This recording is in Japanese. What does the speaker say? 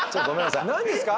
何ですか？